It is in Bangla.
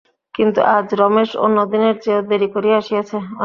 কিন্তু আজ রমেশ অন্য দিনের চেয়েও দেরি করিয়া আসিয়াছে।